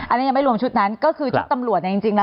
อันนี้ยังไม่รวมชุดนั้นก็คือชุดตำรวจเนี่ยจริงแล้ว